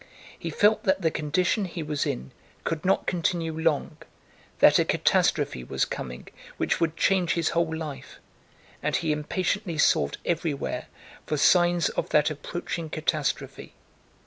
He felt that the condition he was in could not continue long, that a catastrophe was coming which would change his whole life, and he impatiently sought everywhere for signs of that approaching catastrophe.